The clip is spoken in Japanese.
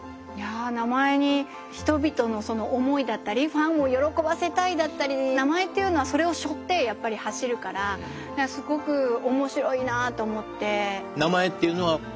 名前に人々のその思いだったりファンを喜ばせたいだったり名前っていうのはそれをしょってやっぱり走るからすごく面白いなと思って。